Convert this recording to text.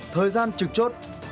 thời gian trực chốt